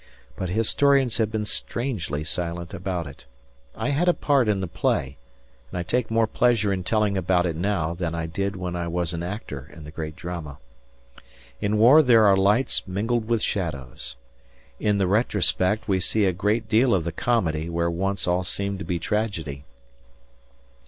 But historians have been strangely silent about it. I had a part in the play, and I take more pleasure in telling about it now than I did when I was an actor in the great drama. In war there are lights mingled with shadows. In the retrospect we see a great deal of the comedy where once all seemed to be tragedy.